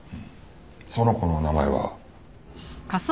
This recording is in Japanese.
その子の名前は？